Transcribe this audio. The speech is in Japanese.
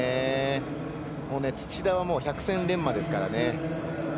土田は百戦錬磨ですからね。